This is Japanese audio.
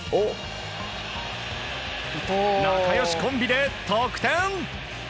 仲良しコンビで得点！